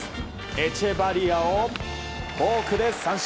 エチェバリアをフォークで三振。